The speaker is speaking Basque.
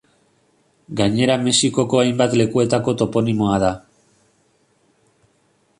Gainera Mexikoko hainbat lekuetako toponimoa da.